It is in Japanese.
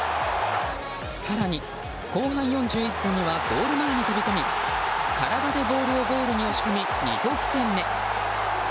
更に、後半４１分にはゴール前に飛び込み体でボールをゴールに押し込み２得点目。